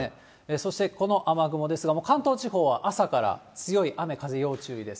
そして、この雨雲ですが、関東地方は朝から強い雨、風、要注意です。